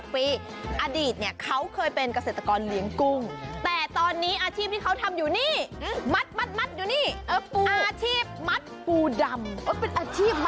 ๑๕๙ปีอดีตเนี่ยเขาเคยเป็นเกษตรกรเลี้ยงกุ้งแต่ตอนนี้อาชีพที่เขาทำอยู่นี่หือมัสมัสมัสอยู่นี่อ่อปูอาชีพมัสปูดำ